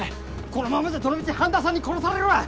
このままじゃどのみち般田さんに殺されるわ。